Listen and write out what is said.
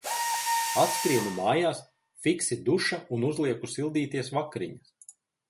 Atskrienu mājās, fiksi duša un uzlieku sildīties vakariņas.